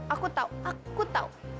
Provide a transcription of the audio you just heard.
aku tau aku tau